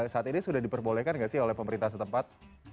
saat ini sudah diperbolehkan nggak sih oleh pemerintah setempat